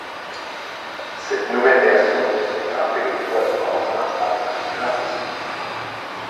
Cette nouvelle version fait grimper le poids de l'engin à avec le plein d'essence.